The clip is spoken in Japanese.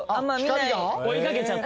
追い掛けちゃって。